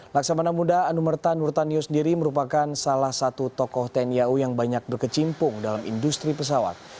laksamana muda anumerta nurtanio sendiri merupakan salah satu tokoh tni au yang banyak berkecimpung dalam industri pesawat